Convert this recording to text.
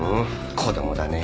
子供だねぇ。